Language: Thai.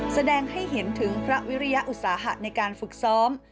แสดงให้เห็นถึงพระวิริยอุตสาหะในการฝึกซ้อม